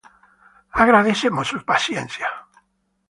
Agradecemos su paciencia.